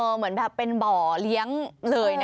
เหมือนแบบเป็นบ่อเลี้ยงเลยนะ